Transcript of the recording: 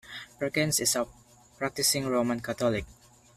Perkins is a practicing Roman Catholic.